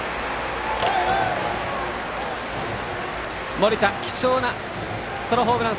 森田、貴重なソロホームラン。